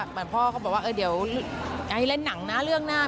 พ่อเขาบอกว่าเดี๋ยวจะให้เล่นหนังนะเรื่องหน้า